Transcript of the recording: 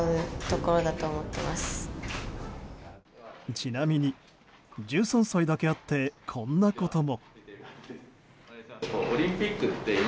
ちなみに１３歳だけあってこんなことも。